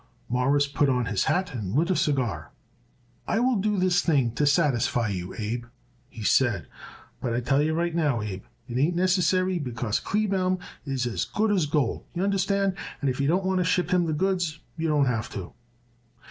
Morris put on his hat and lit a cigar. "I will do this thing to satisfy you, Abe," he said, "but I tell you right now, Abe, it ain't necessary, because Kleebaum is as good as gold, y'understand, and if you don't want to ship him the goods you don't have to."